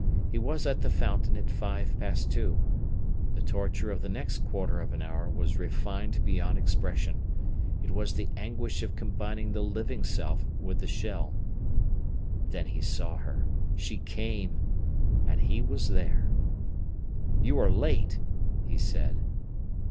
He was at the Fountain at five past two. The torture of the next quarter of an hour was refined beyond expression. It was the anguish of combining the living self with the shell. Then he saw her. She came! And he was there. "You are late," he said.